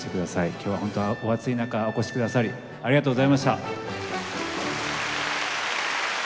今日は本当お暑い中お越しくださりありがとうございました。